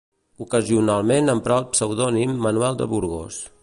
Ocasionalment emprà el pseudònim Manuel de Burgos.